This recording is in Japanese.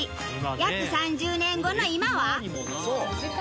約３０年後の今は。